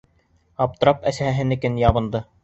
Аптырап әсәһенекен ябынды.